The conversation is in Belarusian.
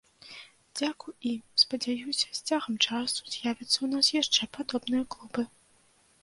Дзякуй ім, спадзяюся, з цягам часу з'явяцца ў нас яшчэ падобныя клубы.